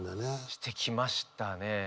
してきましたね。